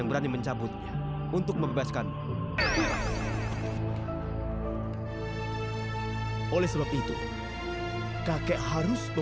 berani benar kau bicara seperti itu pak debonarti